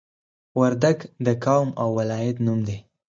وردګ د قوم او ولایت نوم دی